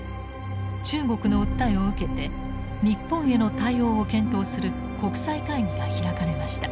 中国の訴えを受けて日本への対応を検討する国際会議が開かれました。